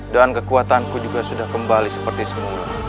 dan kekuatanku juga sudah kembali seperti semula